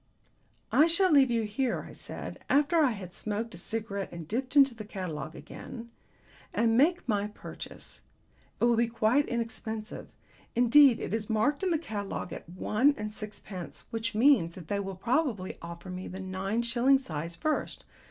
"I shall leave you here," I said, after I had smoked a cigarette and dipped into the catalogue again, "and make my purchase. It will be quite inexpensive; indeed, it is marked in the catalogue at one and six pence, which means that they will probably offer me the nine shilling size first.